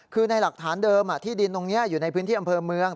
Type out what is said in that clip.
คือในหลักฐานเดิมที่ดินตรงนี้อยู่ในพื้นที่อำเภอเมือง